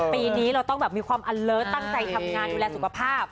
ปีนี้เราต้องแบบมีความอัลเลิศตั้งใจทำงานดูแลสุขภาพ